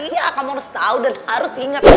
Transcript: iya kamu harus tau dan harus inget